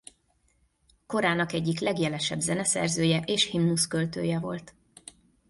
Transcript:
Korának egyik legjelesebb zeneszerzője és himnusz-költője volt.